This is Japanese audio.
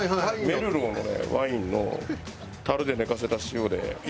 メルローのワインの樽で寝かせた塩？